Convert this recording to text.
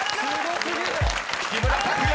［木村拓哉